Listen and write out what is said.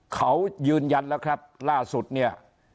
เขายืนยันแล้วครับล่าสุดเนี่ย